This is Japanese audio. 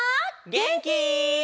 げんき？